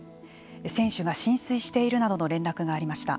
船首が浸水しているなどの連絡がありました。